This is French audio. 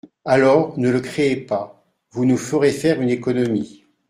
Alors, ne le créez pas : vous nous ferez faire une économie.